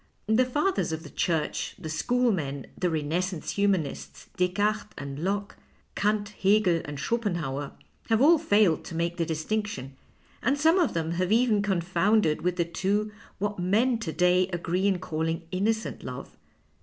" The Fathers of the Church, the schoolmen, the Renais sance humanists, Descartes and Locke, Kant, Hegel, and Schopenhauer, have all failed to make the dis tinction, and some of them have even confounded with the two what men to day agree in calling inno cent love.